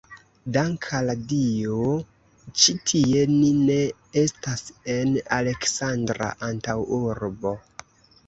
Dank' al Dio, ĉi tie ni ne estas en Aleksandra antaŭurbo!